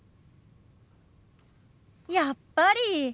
やっぱり！